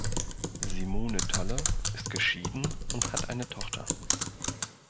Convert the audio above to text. Simone Tolle ist geschieden und hat eine Tochter.